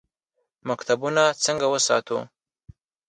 مکتبونه څنګه وساتو؟